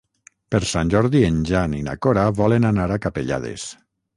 Per Sant Jordi en Jan i na Cora volen anar a Capellades.